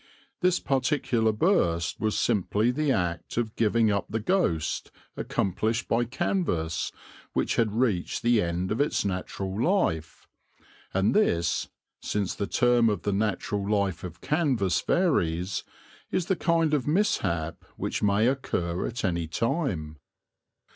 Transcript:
This particular burst was simply the act of giving up the ghost accomplished by canvas which had reached the end of its natural life; and this, since the term of the natural life of canvas varies, is the kind of mishap which may occur at any time.